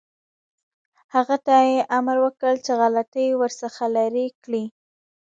هغه ته یې امر وکړ چې غلطۍ ورڅخه لرې کړي.